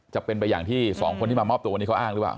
จะเป็นไปอย่างที่สองคนที่มามอบตัววันนี้เขาอ้างหรือเปล่า